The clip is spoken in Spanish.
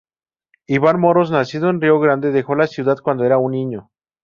Iván Moros, nacido en Río Grande, dejó la ciudad cuando era un niño.